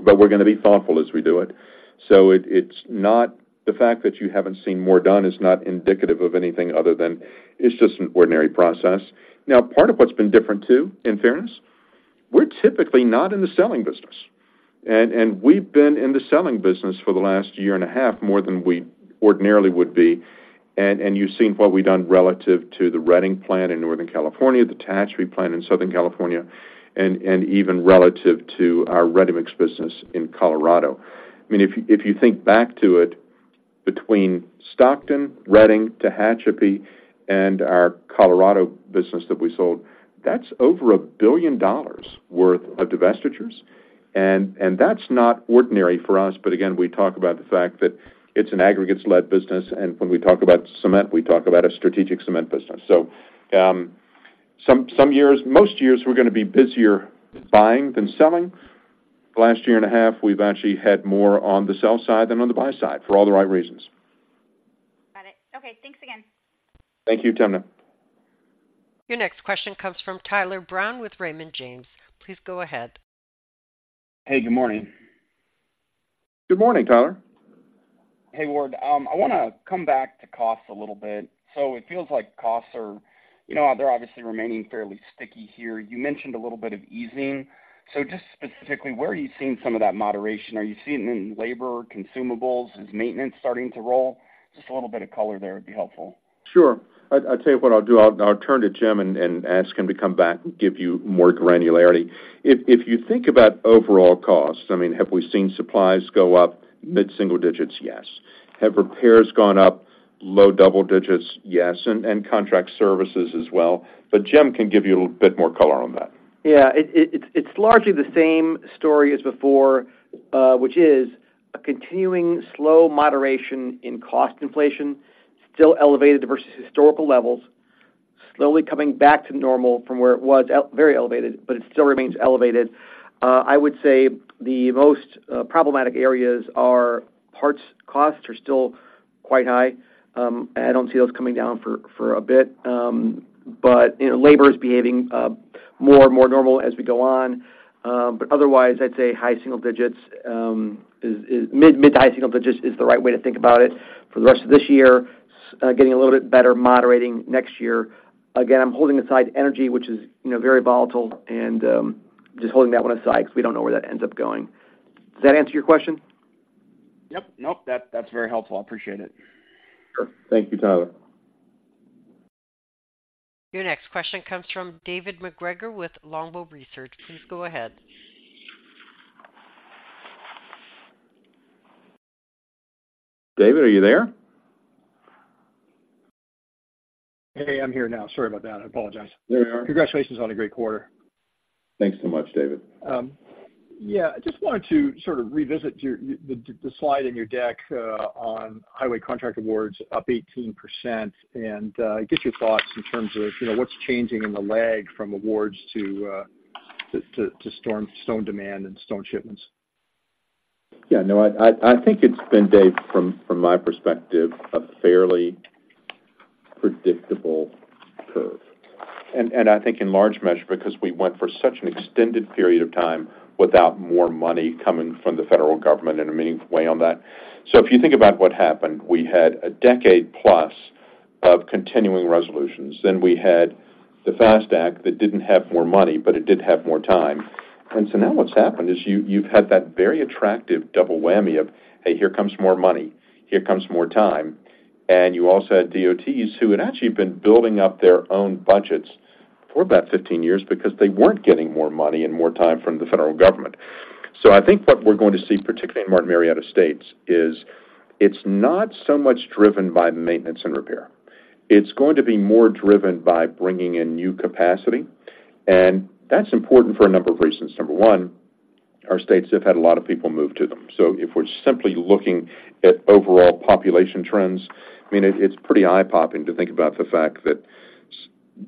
But we're gonna be thoughtful as we do it. So it's not the fact that you haven't seen more done is not indicative of anything other than it's just an ordinary process. Now, part of what's been different, too, in fairness, we're typically not in the selling business, and we've been in the selling business for the last year and a half, more than we ordinarily would be. You've seen what we've done relative to the Redding plant in Northern California, the Tehachapi plant in Southern California, and even relative to our ready-mix business in Colorado. I mean, if you think back to it, between Stockton, Redding, Tehachapi, and our Colorado business that we sold, that's over $1 billion worth of divestitures. That's not ordinary for us. But again, we talk about the fact that it's an aggregates-led business, and when we talk about cement, we talk about a strategic cement business. So, some years, most years, we're gonna be busier buying than selling. The last year and a half, we've actually had more on the sell side than on the buy side, for all the right reasons. Got it. Okay, thanks again. Thank you, Timna. Your next question comes from Tyler Brown with Raymond James. Please go ahead. Hey, good morning. Good morning, Tyler. Hey, Ward. I wanna come back to costs a little bit. So it feels like costs are, you know, they're obviously remaining fairly sticky here. You mentioned a little bit of easing. So just specifically, where are you seeing some of that moderation? Are you seeing it in labor, consumables? Is maintenance starting to roll? Just a little bit of color there would be helpful. Sure. I'll tell you what I'll do. I'll turn to Jim and ask him to come back and give you more granularity. If you think about overall costs, I mean, have we seen supplies go up mid-single digits? Yes. Have repairs gone up low double digits? Yes, and contract services as well. But Jim can give you a little bit more color on that. Yeah, it's largely the same story as before, which is a continuing slow moderation in cost inflation, still elevated versus historical levels, slowly coming back to normal from where it was out, very elevated, but it still remains elevated. I would say the most problematic areas are parts. Costs are still quite high. I don't see those coming down for a bit. But you know, labor is behaving more and more normal as we go on. But otherwise, I'd say high single digits is mid to high single digits is the right way to think about it for the rest of this year. Getting a little bit better, moderating next year. Again, I'm holding aside energy, which is, you know, very volatile and just holding that one aside, because we don't know where that ends up going. Does that answer your question? Yep. Nope, that, that's very helpful. I appreciate it. Sure. Thank you, Tyler. Your next question comes from David MacGregor with Longbow Research. Please go ahead. David, are you there? Hey, I'm here now. Sorry about that. I apologize. There we are. Congratulations on a great quarter. Thanks so much, David. Yeah, I just wanted to sort of revisit the slide in your deck on highway contract awards, up 18%, and get your thoughts in terms of, you know, what's changing in the lag from awards to stone demand and stone shipments. Yeah. No, I think it's been, Dave, from my perspective, a fairly predictable curve. And I think in large measure, because we went for such an extended period of time without more money coming from the federal government in a meaningful way on that. So if you think about what happened, we had a decade plus of continuing resolutions, then we had the FAST Act that didn't have more money, but it did have more time. And so now what's happened is you, you've had that very attractive double whammy of, hey, here comes more money, here comes more time. And you also had DOTs who had actually been building up their own budgets for about 15 years because they weren't getting more money and more time from the federal government. So I think what we're going to see, particularly in Martin Marietta states, is it's not so much driven by maintenance and repair. It's going to be more driven by bringing in new capacity, and that's important for a number of reasons. Number one, our states have had a lot of people move to them. So if we're simply looking at overall population trends, I mean, it's pretty eye-popping to think about the fact that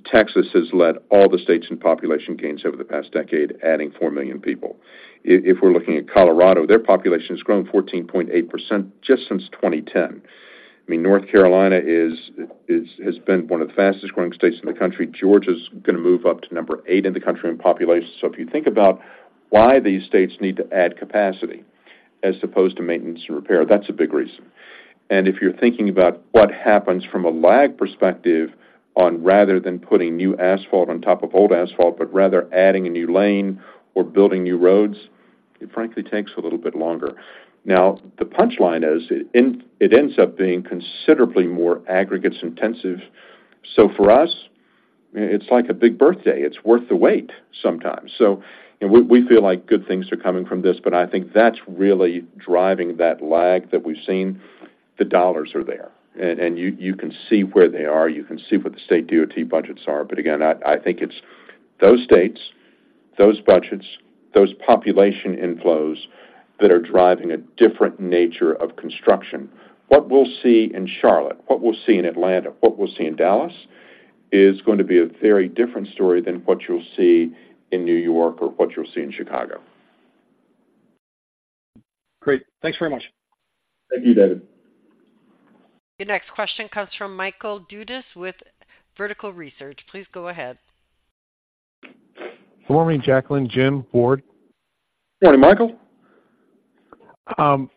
Texas has led all the states in population gains over the past decade, adding 4 million people. If we're looking at Colorado, their population has grown 14.8% just since 2010. I mean, North Carolina has been one of the fastest growing states in the country. Georgia's gonna move up to number 8 in the country in population. So if you think about why these states need to add capacity, as opposed to maintenance and repair, that's a big reason. And if you're thinking about what happens from a lag perspective on, rather than putting new asphalt on top of old asphalt, but rather adding a new lane or building new roads, it frankly takes a little bit longer. Now, the punchline is, it ends up being considerably more aggregates intensive. So for us, it's like a big birthday. It's worth the wait sometimes. So, and we feel like good things are coming from this, but I think that's really driving that lag that we've seen. The dollars are there, and you can see where they are, you can see what the state DOT budgets are. But again, I think it's those states, those budgets, those population inflows-... that are driving a different nature of construction. What we'll see in Charlotte, what we'll see in Atlanta, what we'll see in Dallas, is going to be a very different story than what you'll see in New York or what you'll see in Chicago. Great. Thanks very much. Thank you, David. Your next question comes from Michael Dudas with Vertical Research. Please go ahead. Good morning, Jacklyn, Jim, Ward. Good morning, Michael.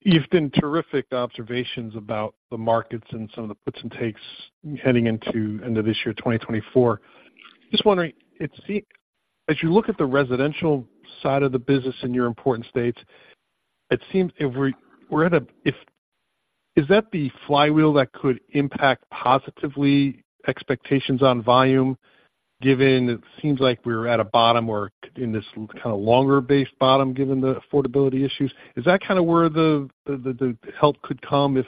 You've been terrific observations about the markets and some of the puts and takes heading into end of this year, 2024. Just wondering, it seems as you look at the residential side of the business in your important states, it seems if we're at a... Is that the flywheel that could impact positively expectations on volume, given it seems like we're at a bottom or in this kinda longer base bottom, given the affordability issues? Is that kind of where the, the, the help could come if,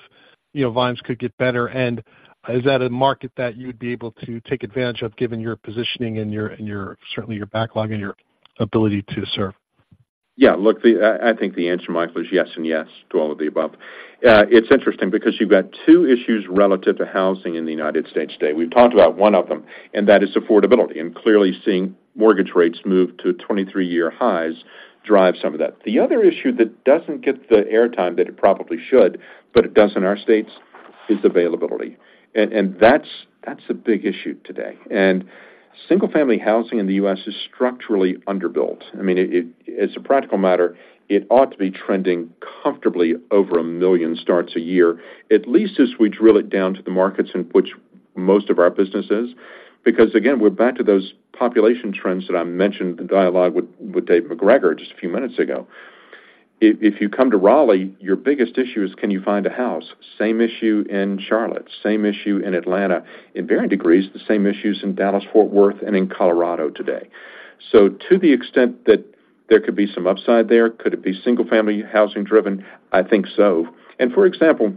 you know, volumes could get better? And is that a market that you'd be able to take advantage of, given your positioning and your, and your, certainly your backlog and your ability to serve? Yeah, look, I think the answer, Michael, is yes and yes to all of the above. It's interesting because you've got two issues relative to housing in the United States today. We've talked about one of them, and that is affordability, and clearly seeing mortgage rates move to 23-year highs drive some of that. The other issue that doesn't get the airtime that it probably should, but it does in our states, is availability. And that's a big issue today. And single-family housing in the U.S. is structurally underbuilt. I mean, as a practical matter, it ought to be trending comfortably over 1 million starts a year, at least as we drill it down to the markets in which most of our business is. Because, again, we're back to those population trends that I mentioned in the dialogue with Dave MacGregor just a few minutes ago. If you come to Raleigh, your biggest issue is can you find a house? Same issue in Charlotte, same issue in Atlanta. In varying degrees, the same issues in Dallas, Fort Worth, and in Colorado today. So to the extent that there could be some upside there, could it be single-family housing driven? I think so. And for example,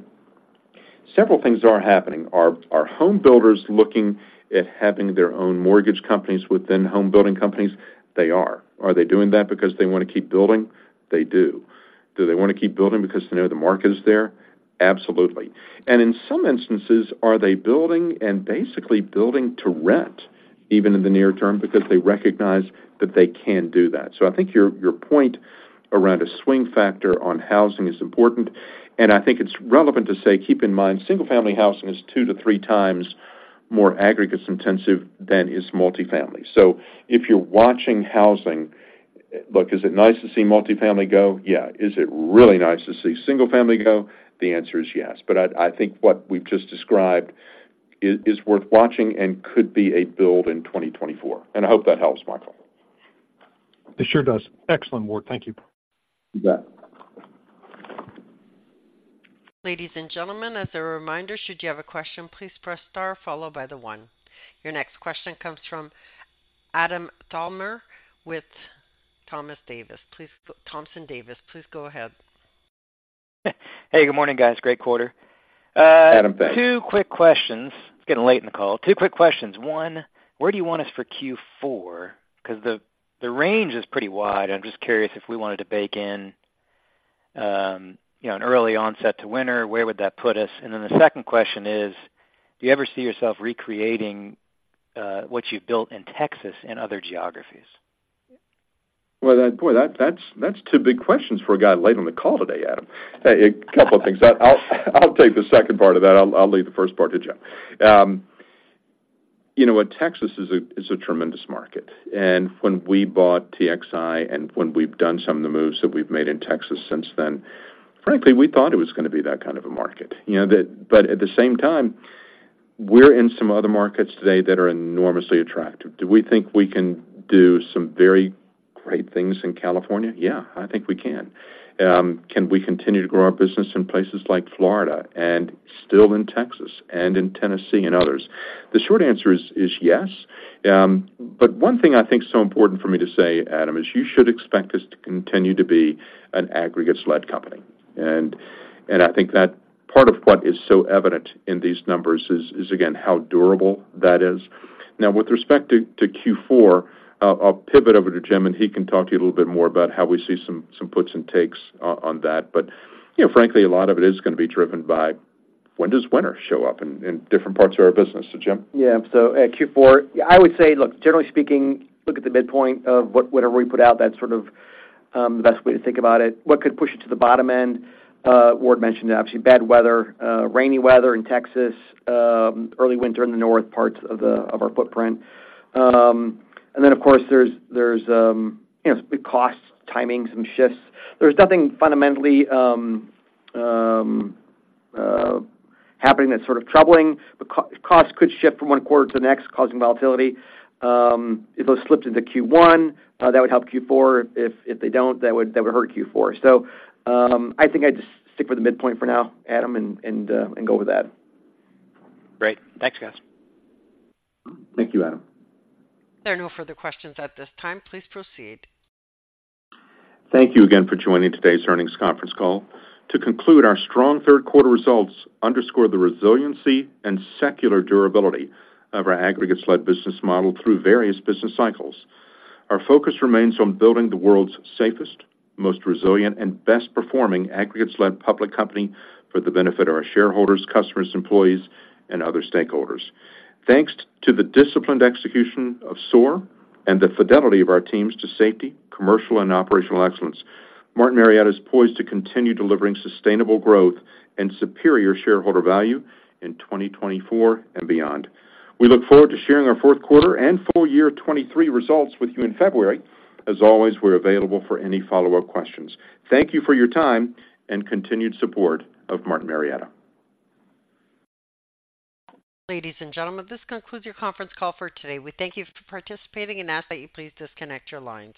several things are happening. Are home builders looking at having their own mortgage companies within home building companies? They are. Are they doing that because they wanna keep building? They do. Do they wanna keep building because they know the market is there? Absolutely. In some instances, are they building and basically building to rent, even in the near term, because they recognize that they can do that. So I think your, your point around a swing factor on housing is important, and I think it's relevant to say, keep in mind, single family housing is 2-3 times more aggregates intensive than is multifamily. So if you're watching housing, look, is it nice to see multifamily go? Yeah. Is it really nice to see single family go? The answer is yes. But I, I think what we've just described is, is worth watching and could be a build in 2024, and I hope that helps, Michael. It sure does. Excellent, Ward. Thank you. You bet. Ladies and gentlemen, as a reminder, should you have a question, please press star followed by the one. Your next question comes from Adam Thalhimer with Thomas Davis. Please—Thompson Davis. Please go ahead. Hey, good morning, guys. Great quarter. Adam, thanks. Two quick questions. It's getting late in the call. Two quick questions. One, where do you want us for Q4? 'Cause the, the range is pretty wide. I'm just curious if we wanted to bake in, you know, an early onset to winter, where would that put us? And then the second question is: do you ever see yourself recreating, what you've built in Texas and other geographies? Well, boy, that's two big questions for a guy late on the call today, Adam. A couple of things. I'll take the second part of that. I'll leave the first part to Jim. You know what? Texas is a tremendous market, and when we bought TXI and when we've done some of the moves that we've made in Texas since then, frankly, we thought it was gonna be that kind of a market. You know, that. But at the same time, we're in some other markets today that are enormously attractive. Do we think we can do some very great things in California? Yeah, I think we can. Can we continue to grow our business in places like Florida and still in Texas and in Tennessee and others? The short answer is yes. But one thing I think is so important for me to say, Adam, is you should expect us to continue to be an aggregates-led company. And I think that part of what is so evident in these numbers is again, how durable that is. Now, with respect to Q4, I'll pivot over to Jim, and he can talk to you a little bit more about how we see some puts and takes on that. But you know, frankly, a lot of it is gonna be driven by when does winter show up in different parts of our business? So, Jim? Yeah, so at Q4, I would say, look, generally speaking, look at the midpoint of whatever we put out, that's sort of the best way to think about it. What could push it to the bottom end? Ward mentioned, actually, bad weather, rainy weather in Texas, early winter in the north parts of our footprint. And then, of course, there's you know, costs, timing, some shifts. There's nothing fundamentally happening that's sort of troubling. But costs could shift from one quarter to the next, causing volatility. If those slipped into Q1, that would help Q4. If they don't, that would hurt Q4. So, I think I'd just stick with the midpoint for now, Adam, and go with that. Great. Thanks, guys. Thank you, Adam. There are no further questions at this time. Please proceed. Thank you again for joining today's earnings conference call. To conclude, our strong third quarter results underscore the resiliency and secular durability of our aggregates-led business model through various business cycles. Our focus remains on building the world's safest, most resilient, and best performing aggregates-led public company for the benefit of our shareholders, customers, employees, and other stakeholders. Thanks to the disciplined execution of SOAR and the fidelity of our teams to safety, commercial, and operational excellence, Martin Marietta is poised to continue delivering sustainable growth and superior shareholder value in 2024 and beyond. We look forward to sharing our fourth quarter and full year 2023 results with you in February. As always, we're available for any follow-up questions. Thank you for your time and continued support of Martin Marietta. Ladies and gentlemen, this concludes your conference call for today. We thank you for participating and ask that you please disconnect your lines.